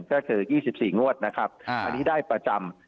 ก็คือ๒๔งวดนะครับอันนี้ได้ประจำ